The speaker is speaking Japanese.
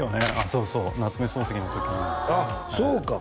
そうそう「夏目漱石」の時にあっそうか